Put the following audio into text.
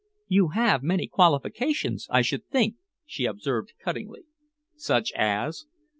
"You have many qualifications, I should think," she observed cuttingly. "Such as?"